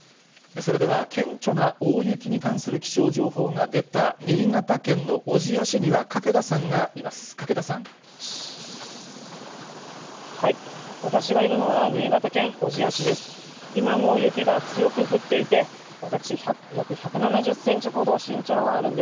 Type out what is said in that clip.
それでは、顕著な大雪に関する気象情報が出た、新潟県の小千谷市には懸田さんがいます。